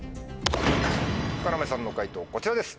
要さんの解答こちらです。